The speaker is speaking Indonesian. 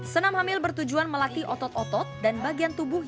senam hamil bertujuan melatih otot otot dan bagian tubuh